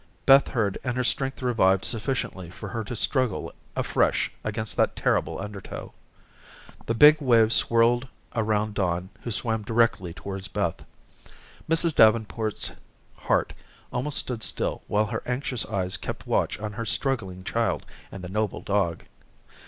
Beth heard and her strength revived sufficiently for her to struggle afresh against that terrible undertow. The big waves swirled around Don who swam directly towards Beth. Mrs. Davenport's heart almost stood still while her anxious eyes kept watch on her struggling child and the noble dog.